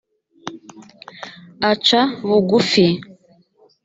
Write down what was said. aca bugufi.